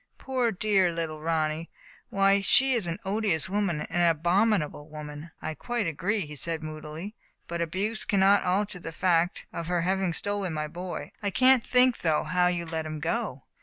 Poor dear little Ronny ! Why, she is an odious woman — an abominable woman !"" I quite agree, he isaid moodily. " But abuse cannot alter the fact of her having stolen my boy. I can't think, though, how you let him go.